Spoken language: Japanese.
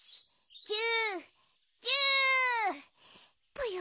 ぽよ？